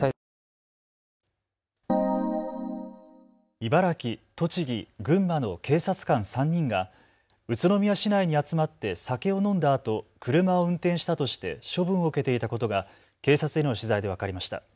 茨城、栃木、群馬の警察官３人が宇都宮市内に集まって酒を飲んだあと、車を運転したとして処分を受けていたことが警察への取材で分かりました。